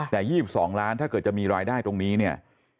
แต่๒๒ล้านถ้าเกิดจะมีรายได้ตรงนี้เนี่ย